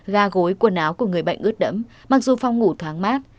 gà gối quần áo của người bệnh ướt đẫm mặc dù phong ngủ thoáng mát